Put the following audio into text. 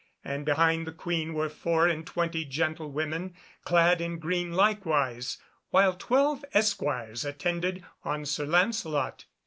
And behind the Queen were four and twenty gentlewomen clad in green likewise, while twelve esquires attended on Sir Lancelot.